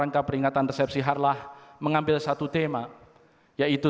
aku ingin bertemu